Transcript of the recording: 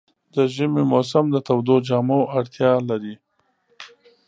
د ژمي موسم د تودو جامو اړتیا لري.